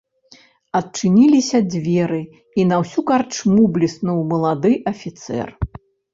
Адчыніліся дзверы, і на ўсю карчму бліснуў малады афіцэр.